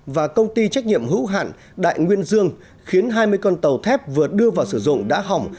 và công ty trách nhiệm hữu hạn đại nguyên dương khiến hai mươi con tàu thép vừa đưa vào sử dụng đã hỏng